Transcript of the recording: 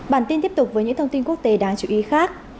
bản tin tiếp tục với những thông tin quốc tế đáng chú ý khác